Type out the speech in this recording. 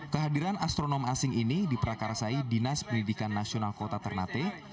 kehadiran astronom asing ini diperakarasai dinas pendidikan nasional kota ternate